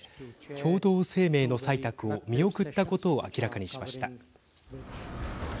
共同声明の採択を見送ったことを明らかにしました。